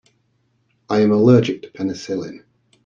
I am allergic to penicillin.